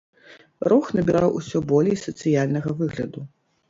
Рух набіраў усё болей сацыяльнага выгляду.